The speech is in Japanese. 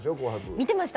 見てました。